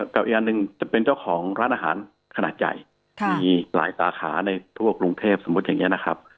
กับอีกอันหนึ่งจะเป็นเจ้าของร้านอาหารขนาดใหญ่มีหลายสาขาในทั่วกรุงเทพสมมุติอย่างนี้นะครับ